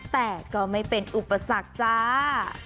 แต่ก็ไม่เป็นอุปสรรคจ้า